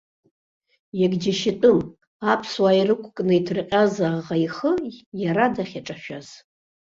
Иагьџьашьатәым, аԥсуаа ирықәкны иҭырҟьаз аӷа ихы иара дахьаҿашәаз!